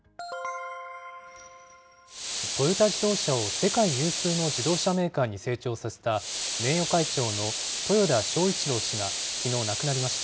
トヨタ自動車を世界有数の自動車メーカーに成長させた、名誉会長の豊田章一郎氏がきのう亡くなりました。